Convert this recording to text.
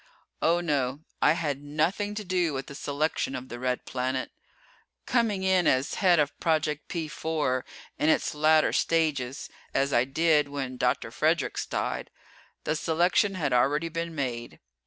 Oh, no, I had nothing to do with the selection of the Red Planet. Coming in as head of Project P 4 in its latter stages, as I did when Dr. Fredericks died, the selection had already been made.